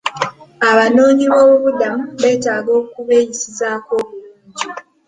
Abanoonyi b'obubuddamu beetaga okubeeyisizzaako obulungi.